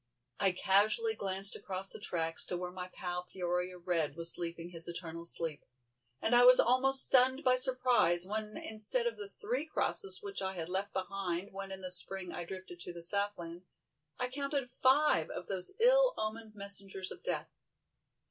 I casually glanced across the tracks to where my pal, Peoria Red, was sleeping his eternal sleep, and I was almost stunned by surprise when instead of the three crosses which I had left behind when in the Spring I drifted to the Southland, I counted five of those ill omened messengers of death.